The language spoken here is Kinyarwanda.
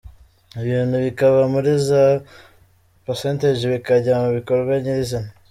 ibintu bikava muri za % bikajya mu bikorwa nyirizina.